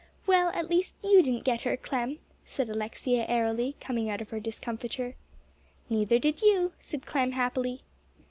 "Well, at least you didn't get her, Clem," said Alexia airily, coming out of her discomfiture. "Neither did you," said Clem happily.